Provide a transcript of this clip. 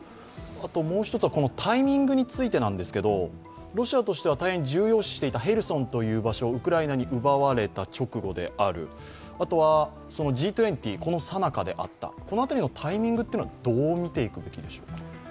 もう一つはタイミングについてですけれども、ロシアとしては大変重要視していたヘルソンという場所をウクライナに奪われた直後である、あとは、Ｇ２０のさなかであった、この辺りのタイミングはどう見ていくべきでしょうか。